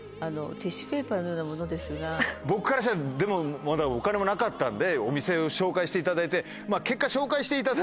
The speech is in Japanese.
僕からしたらでもまだお金もなかったんでお店を紹介していただいてまぁ結果。